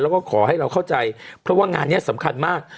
แล้วก็ขอให้เราเข้าใจเพราะว่างานนี้สำคัญมาก